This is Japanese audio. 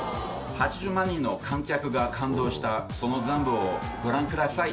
８０万人の観客が感動したその全貌をご覧ください。